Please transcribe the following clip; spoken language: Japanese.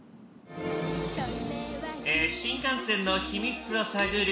新幹線の秘密を探る